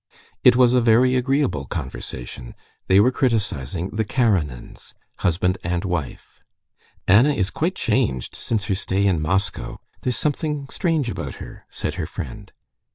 It was a very agreeable conversation. They were criticizing the Karenins, husband and wife. "Anna is quite changed since her stay in Moscow. There's something strange about her," said her friend.